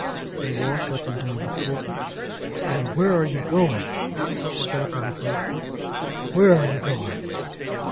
'—a walk up and down the pulpit: 'and where are you going'—stopping abruptly: 'where are you going?